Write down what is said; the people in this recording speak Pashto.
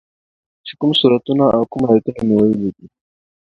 چې کوم سورتونه او کوم ايتونه مې ويلي دي.